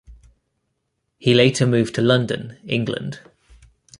He later moved to London, England.